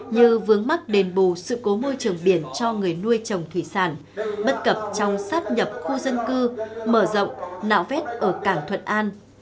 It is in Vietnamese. như vướng mắc đền bù sự cố môi trường biển cho người nuôi trồng thủy sản bất cập trong sát nhập khu dân cư mở rộng nạo vét ở cảng thuận an